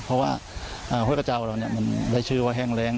เพราะว่าห้วยกระเจ้าเรามันได้ชื่อว่าแห้งแรง